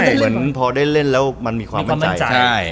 เหมือนพอได้เล่นแล้วมันมีความมั่นใจใช่